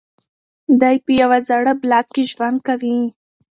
دی په یوه زاړه بلاک کې ژوند کوي.